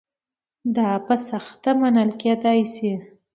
دا په سخته منل کېدای شي.